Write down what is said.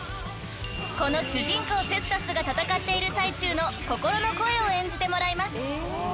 ［この主人公セスタスが戦っている最中の心の声を演じてもらいます］